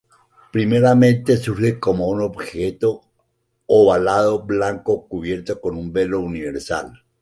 Primeramente, surge como un objeto ovalado blanco cubierto con un velo universal.